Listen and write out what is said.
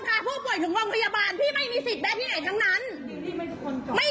พี่ผู้หญิงถามว่าคะแนนเต็มร้อยคุณตาให้เท่าไร